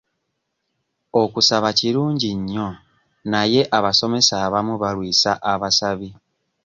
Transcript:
Okusaba kirungi nnyo naye abasomesa abamu balwisa abasabi.